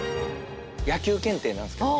野球検定なんですけど。